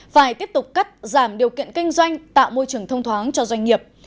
phải tiếp tục cắt giảm điều kiện kinh doanh tạo môi trường thông thoáng cho doanh nghiệp